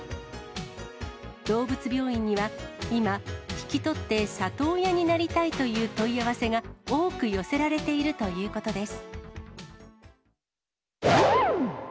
動物病院には今、引き取って里親になりたいという問い合わせが多く寄せられているということです。